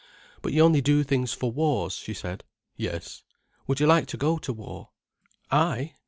"But you only do things for wars," she said. "Yes." "Would you like to go to war?" "I?